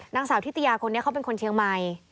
นางสาวทิตยาคนนี้เขาเป็นคนเชียงใหม่